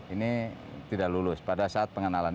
ini tidak lulus pada saat pengenalan